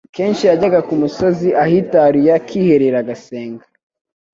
Kenshi yajyaga ku musozi ahitaruye akiherera agasenga,